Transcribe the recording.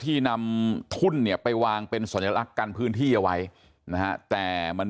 ที่นำทุ่นเนี่ยไปวางเป็นสัญลักษณ์กันพื้นที่เอาไว้นะฮะแต่มัน